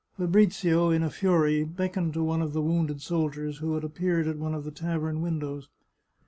Fabrizio, in a fury, beckoned to one of the wounded soldiers who had appeared at one of the tavern windows.